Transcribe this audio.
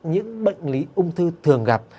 những bệnh lý ung thư thường gặp